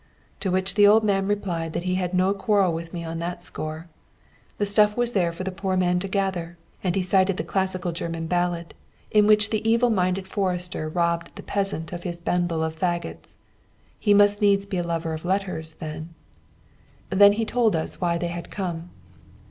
To which the old man replied that he had no quarrel with me on that score. The stuff was there for the poor man to gather, and he cited the classical German ballad in which the evil minded forester robbed the peasant of his bundle of faggots. He must needs be a lover of letters, then! Then he told us why they had come.